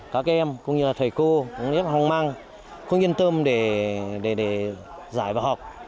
các em cũng như thầy cô cũng như hồng mang không yên tâm để giải và học